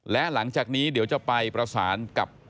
และหลังจากนี้เดี๋ยวจะไปประสานกับ